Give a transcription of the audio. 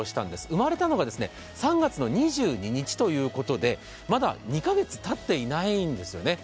生まれたのが３月２２日ということでまだ２カ月たっていないんですね。